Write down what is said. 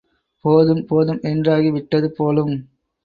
போதும் போதும் என்றாகி விட்டது போலும்!